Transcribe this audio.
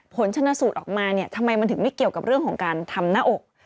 ผลชนะสูตรออกมาเนี่ยทำไมมันถึงไม่เกี่ยวกับเรื่องของการทำหน้าอก